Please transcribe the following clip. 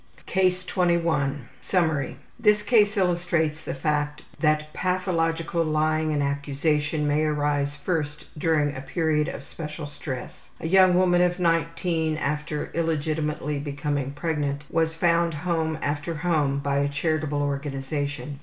Sex affairs. CASE 21 Summary: This case illustrates the fact that pathological lying and accusation may arise first during a period of special stress. A young woman of 19, after illegitimately becoming pregnant, was found home after home by a charitable organization.